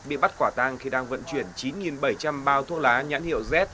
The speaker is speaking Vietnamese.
bị bắt quả tang khi đang vận chuyển chín bảy trăm linh bao thuốc lá nhãn hiệu z